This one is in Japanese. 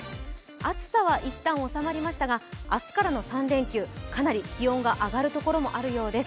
暑さは一旦収まりましたが明日からの３連休、かなり気温が上がるところもあるようです。